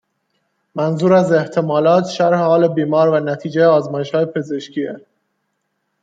منظور از احتمالات، شرح حال بیمار و نتیجه آزمایشهای پزشکیه.